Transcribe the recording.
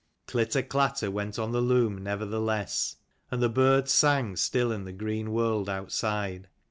Glitter clatter went on the loom nevertheless : and the birds sang still in the green world outside.